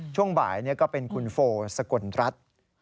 ช่วงบ่ายก็เป็นคุณโฟสกลรัฐ